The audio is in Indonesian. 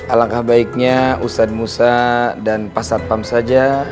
alangkah baiknya ustadz musa dan pak satpam saja